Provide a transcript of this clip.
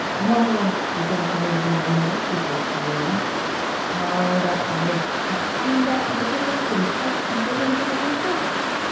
"Ho!" ejaculated mine host, with a grin, "hard up, eh! got cleaned out with the trip up, an' trust to diggin' for the future?